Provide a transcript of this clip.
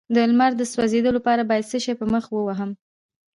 د لمر د سوځیدو لپاره باید څه شی په مخ ووهم؟